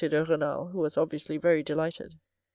de Renal, who was obviously very delighted.